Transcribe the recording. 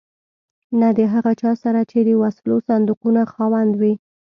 نه د هغه چا سره چې د وسلو صندوقونو خاوند وي.